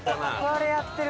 これやってる。